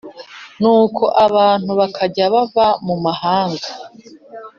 Nuko abantu bakajya bava mu mahanga